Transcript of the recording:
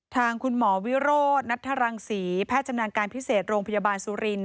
ทางคุณหมอวิโรธนัทรังศรีแพทย์ชำนาญการพิเศษโรงพยาบาลสุรินท